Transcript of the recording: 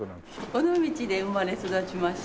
尾道で生まれ育ちました。